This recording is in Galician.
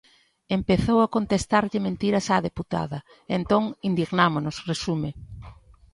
"Empezou a contestarlle mentiras á deputada e entón, indignámonos", resume.